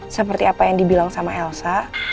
seperti apa yang dibilang sama elsa